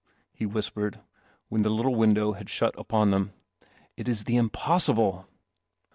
" he whispered, when the little window had shut upon them. " It is the impossible."